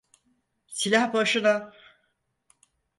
Silah başına!